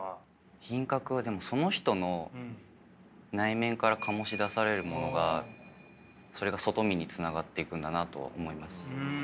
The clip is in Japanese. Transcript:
品格はでもその人の内面から醸し出されるものがそれが外身につながっていくんだなと思います。